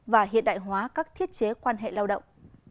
và hiện đại hóa các thiết chế quan hệ lao động